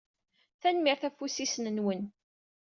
Tanemmirt ɣef wussisen-nwen.